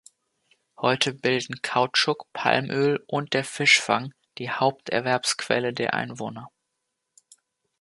Heute bilden Kautschuk, Palmöl und der Fischfang die Haupterwerbsquelle der Einwohner.